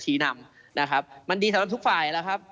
นำนะครับมันดีสำหรับทุกฝ่ายแล้วครับ